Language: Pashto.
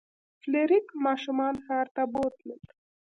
فلیریک ماشومان ښار ته بوتلل.